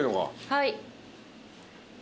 はい。